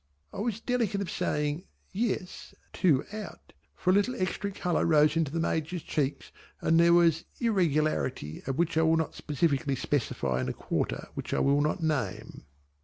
I was delicate of saying "Yes" too out, for a little extra colour rose into the Major's cheeks and there was irregularity which I will not particularly specify in a quarter which I will not name.